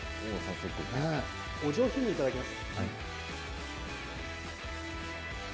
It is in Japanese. お上品にいただきます。